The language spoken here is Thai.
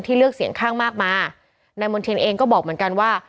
เลือกเสียงข้างมากมานายมณ์เทียนเองก็บอกเหมือนกันว่า